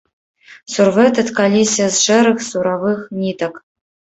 Сурвэты ткаліся з шэрых суравых нітак.